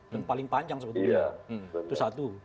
dan paling panjang sebetulnya itu satu